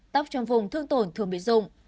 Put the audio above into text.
tóc trong vùng thương tổn thường bị dụng